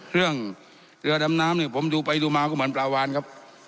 เรื่องเรือดำน้ำเนี่ยผมดูไปดูมาก็เหมือนปลาวานครับ